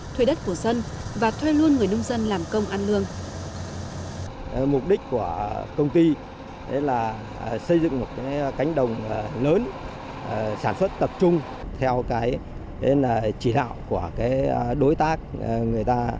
thuê đất của dân và thuê luôn người nông dân làm công ăn lương